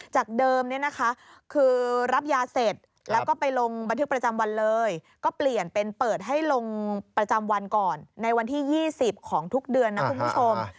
จากเดิมเนี่ยนะคะคือรับยาเสร็จแล้วก็ไปลงบันทึกประจำวันเลยก็เปลี่ยนเป็นเปิดให้ลงประจำวันก่อนในวันที่๒๐ของทุกเดือนนะคุณผู้ชม